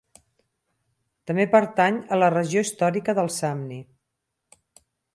També pertany a la regió històrica del Samni.